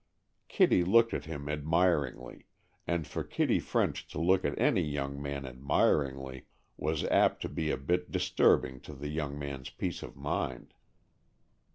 Kitty looked at him admiringly, and for Kitty French to look at any young man admiringly was apt to be a bit disturbing to the young man's peace of mind.